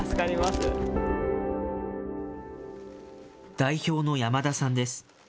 代表の山田さんです。